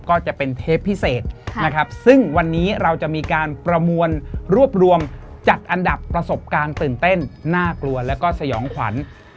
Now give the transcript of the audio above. ก็จะเป็นเทปพิเศษนะครับซึ่งวันนี้เราจะมีการประมวลรวบรวมจัดอันดับประสบการณ์ตื่นเต้นน่ากลัวแล้วก็สยองขวัญ